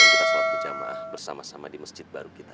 dan kita selamat berjamah bersama sama di masjid baru kita